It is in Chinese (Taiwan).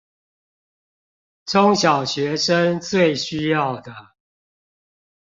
中小學生最需要的